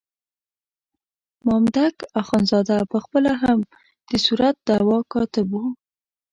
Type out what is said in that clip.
مامدک اخندزاده په خپله هم د صورت دعوا کاتب وو.